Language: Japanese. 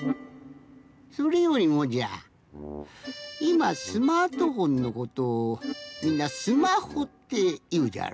それよりもじゃいまスマートフォンのことをみんな「スマホ」っていうじゃろ。